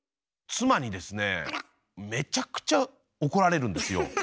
妻にですねめちゃくちゃ怒られるんですよ。